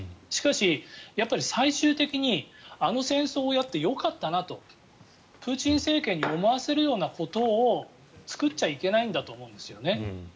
しかし、やっぱり最終的にあの戦争をやってよかったなとプーチン政権に思わせるようなことを作っちゃいけないんだと思うんですよね。